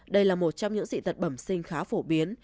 đây là một trong những dị tật bẩm sinh khá phổ biến